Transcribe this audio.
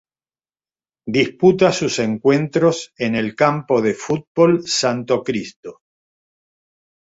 Disputa sus encuentros en el Campo de Fútbol Santo Cristo.